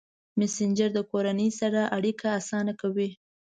مسېنجر د کورنۍ سره اړیکه اسانه کوي.